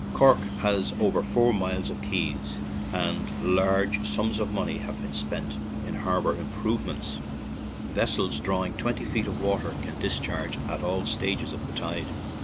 Cork has over four miles of quays, and large sums of money have been spent in harbor improvements; vessels drawing twenty feet of water can discharge at all stages of the tide.